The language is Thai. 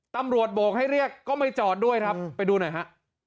ตำรวจโบกให้เรียกก็ไม่จอดด้วยครับไปดูหน่อยฮะ